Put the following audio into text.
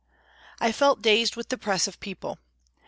I felt dazed with the press of people.